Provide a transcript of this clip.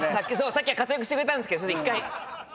さっきは活躍してくれたんすけど１回。